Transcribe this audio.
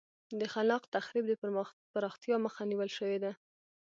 د خلاق تخریب د پراختیا مخه نیول شوې ده.